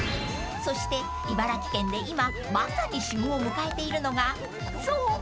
［そして茨城県で今まさに旬を迎えているのがそう！